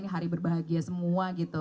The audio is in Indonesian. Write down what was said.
hari berbahagia semua gitu